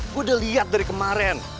gue udah lihat dari kemarin